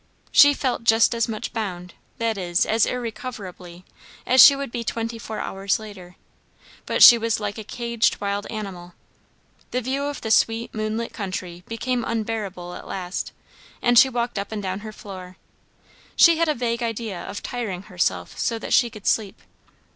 She felt just as much bound, that is, as irrecoverably, as she would be twenty four hours later. But she was like a caged wild animal. The view of the sweet moonlit country became unbearable at last, and she walked up and down her floor; she had a vague idea of tiring herself so that she could sleep.